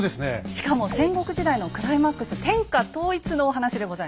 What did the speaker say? しかも戦国時代のクライマックス天下統一のお話でございます。